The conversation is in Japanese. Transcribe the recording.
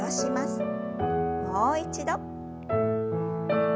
もう一度。